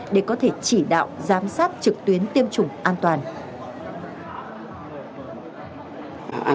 để có thể chỉ đạo giám sát trực tuyến tiêm chủng an toàn